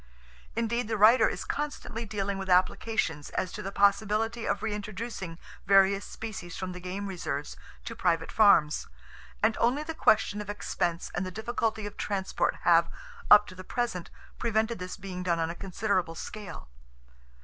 Indeed, the writer is constantly dealing with applications as to the possibility of reintroducing various species from the game reserves to private farms, and only the question of expense and the difficulty of transport have, up to the present, prevented this being done on a considerable scale.